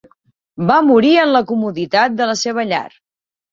Va morir en la comoditat de la seva llar.